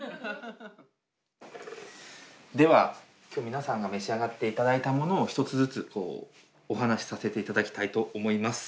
では今日皆さんが召し上がって頂いたものを一つずつこうお話しさせて頂きたいと思います。